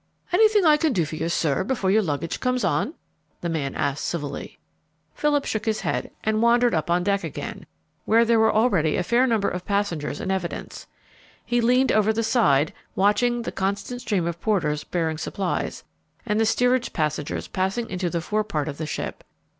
"Anything I can do for you, sir, before your luggage comes on?" the man asked civilly. Philip shook his head and wandered up on deck again, where there were already a fair number of passengers in evidence. He leaned over the side, watching the constant stream of porters bearing supplies, and the steerage passengers passing into the forepart of the ship.